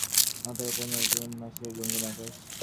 মাথার ওপর জুন মাসের গনগনে আকাশ।